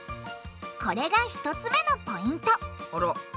これが１つ目のポイント！